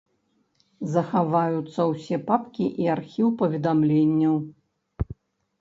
Захаваюцца ўсе папкі і архіў паведамленняў.